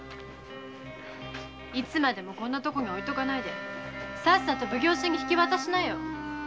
いつまでもこんなとこに置いとかないでさっさと奉行所に引き渡しなよ。